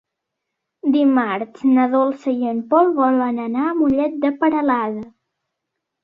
Dimarts na Dolça i en Pol volen anar a Mollet de Peralada.